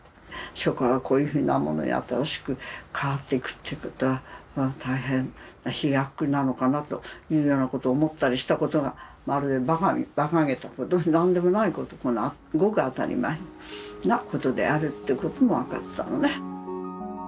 書からこういうふうなものへ新しく変わっていくということは大変な飛躍なのかなというようなことを思ったりしたことがまるでバカげたこと何でもないことごく当たり前なことであるということも分かったのね。